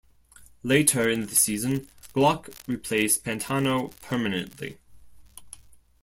Later in the season, Glock replaced Pantano permanently.